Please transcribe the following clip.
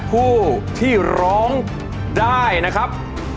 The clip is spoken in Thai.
ผู้ที่ร้องได้นะครับ